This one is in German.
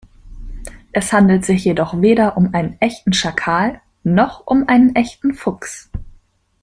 Es handelt sich jedoch weder um einen echten Schakal noch um einen echten Fuchs.